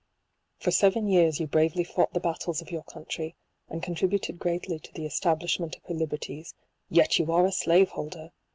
For seven years you bravely fought the battles of your country, and contributed greatly to the establishment of her liberties j yet you are a slave holder